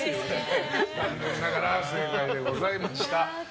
残念ながら不正解でございました。